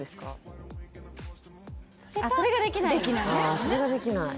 あっそれができないあ